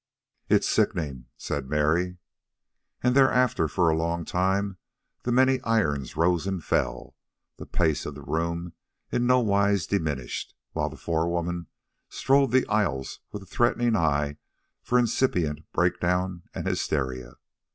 "It's sickenin'," said Mary. And thereafter, for a long time, the many irons rose and fell, the pace of the room in no wise diminished; while the forewoman strode the aisles with a threatening eye for incipient breakdown and hysteria.